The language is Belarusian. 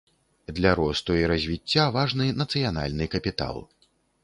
Для росту і развіцця важны нацыянальны капітал.